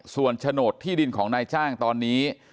ส่วนโฉนดที่ดินของนายจ้างตอนนี้